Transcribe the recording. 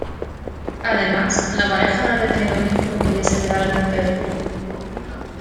Además, la pareja no había tenido un hijo que pudiese heredar el imperio.